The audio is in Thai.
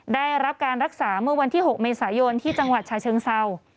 ได้รับการรักษาเมื่อวันที่๖เมษายนที่จังหวัดชาเชิงเศร้า